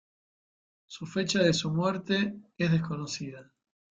Su fecha de su muerte es desconocida.